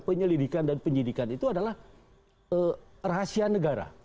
penyelidikan dan penyidikan itu adalah rahasia negara